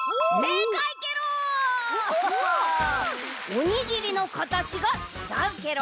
おにぎりのかたちがちがうケロ。